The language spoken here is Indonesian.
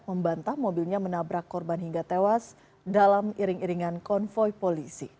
membantah mobilnya menabrak korban hingga tewas dalam iring iringan konvoy polisi